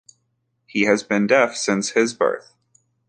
He has been deaf since his birth.